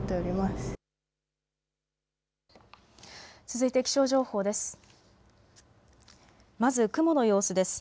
続いて気象情報です。